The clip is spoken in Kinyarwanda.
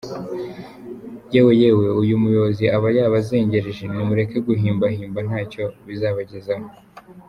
Yewe yewe, uyu muyobozi aba yabazengereje nimureke guhimba himba ntacyo bizabagezaho.